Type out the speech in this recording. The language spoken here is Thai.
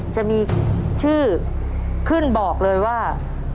จะมีชื่อขึ้นบอกเลยว่า